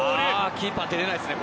キーパー出れないですね